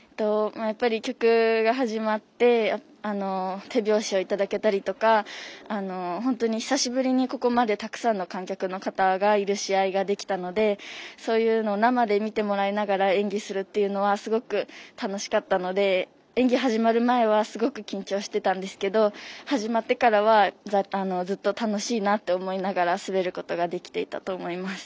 曲が始まって手拍子をいただけたりとか本当に久しぶりにここまでたくさんの観客がいる試合ができたのでそういうのを生で見てもらえながら演技するというのはすごく楽しかったので演技始まる前はすごく緊張していたんですけど始まってからはずっと楽しいなと思いながら滑ることができていたと思います。